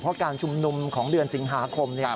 เพราะการชุมนุมของเดือนสิงหาคม